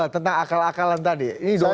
tentang akal akalan tadi